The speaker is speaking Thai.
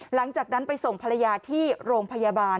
หลังจากนั้นไปส่งภรรยาที่โรงพยาบาล